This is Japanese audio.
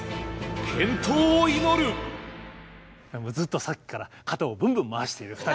ずっとさっきから肩をぶんぶん回している２人。